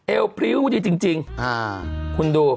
พริ้วดีจริงคุณดู